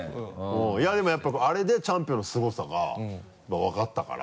いやでもやっぱあれでチャンピオンのすごさがまぁ分かったから。